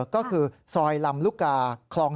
ก็คือซอยลำลูกกาคลอง